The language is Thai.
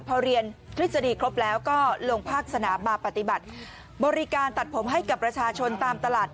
พอเรียนทฤษฎีครบแล้วก็ลงภาคสนามมาปฏิบัติบริการตัดผมให้กับประชาชนตามตลาด